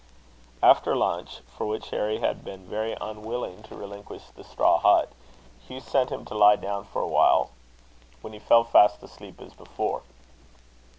After lunch, for which Harry had been very unwilling to relinquish the straw hut, Hugh sent him to lie down for a while; when he fell fast asleep as before.